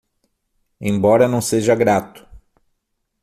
Embora não seja grato